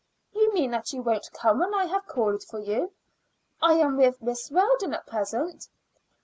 "You mean that you won't come when I have called for you?" "I am with Miss Weldon at present."